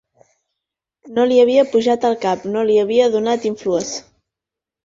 No li havia pujat al cap, no li havia donat influes